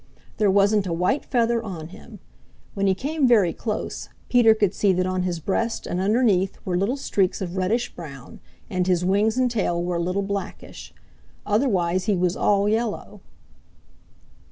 There wasn't a white feather on him. When he came very close Peter could see that on his breast and underneath were little streaks of reddish brown and his wings and tail were a little blackish. Otherwise he was all yellow.